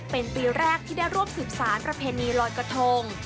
เป็นปีแรกที่ได้ร่วมสืบสารประเพณีลอยกระทง